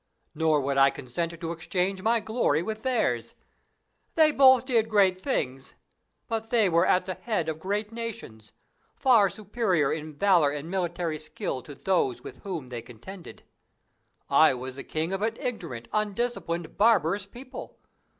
Nor would I consent to exchange my glory with theirs. They both did great things; but they were at the head of great nations, far superior in valour and military skill to those with whom they contended. I was the king of an ignorant, undisciplined, barbarous people.